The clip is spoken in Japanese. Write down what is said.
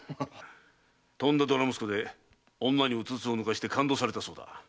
とんだドラ息子で女にうつつを抜かして勘当されたそうだ。